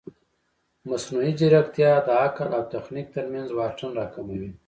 مصنوعي ځیرکتیا د عقل او تخنیک ترمنځ واټن راکموي.